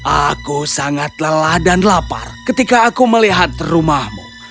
aku sangat lelah dan lapar ketika aku melihat rumahmu